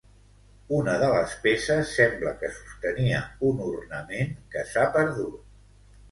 Una de les peces sembla que sostenia un ornament que s'ha perdut.